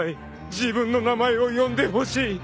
［自分の名前を呼んでほしい］